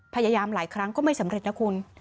พยายามหลายครั้งก็ไม่สำเร็จนะคุณ